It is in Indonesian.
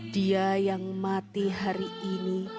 dia yang mati hari ini